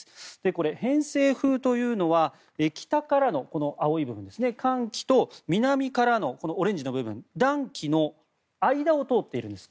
これ、偏西風というのは北からのこの青い部分寒気と南からのオレンジの部分暖気の間を通っているんですね。